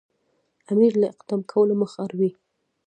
امیر له اقدام کولو مخ اړوي.